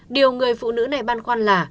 điều người phụ nữ này băn khoăn là